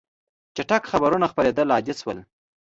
چټک خبرونه خپرېدل عادي شوي.